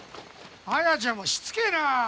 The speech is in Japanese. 彩ちゃんもしつけえな！